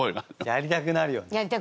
やりたくなるよね。